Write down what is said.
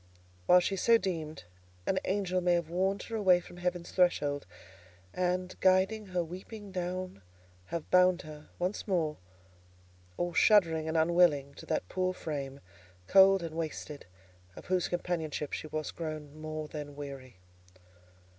While she so deemed, an angel may have warned her away from heaven's threshold, and, guiding her weeping down, have bound her, once more, all shuddering and unwilling, to that poor frame, cold and wasted, of whose companionship she was grown more than weary.